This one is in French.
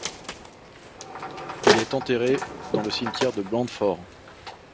Il est enterré dans le cimetière de Blandford.